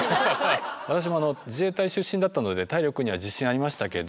私もあの自衛隊出身だったので体力には自信ありましたけど